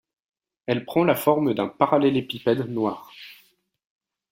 Elle prend la forme d'un parallélépipède noir.